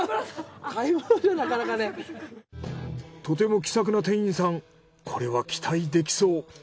とても気さくな店員さんこれは期待できそう。